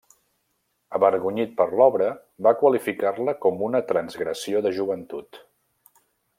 Avergonyit per l'obra, va qualificar-la com una transgressió de joventut.